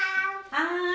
はい。